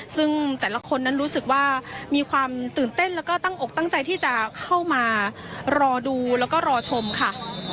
ซึ่งแต่ละคนนั้นรู้สึกว่ามีความตื่นเต้นแล้วก็ตั้งอกตั้งใจที่จะเข้ามารอดูแล้วก็รอชมค่ะ